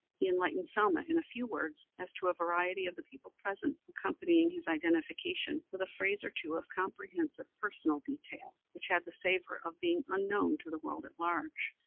He enlightened Selma in a few words as to a variety of the people present, accompanying his identification with a phrase or two of comprehensive personal detail, which had the savor of being unknown to the world at large.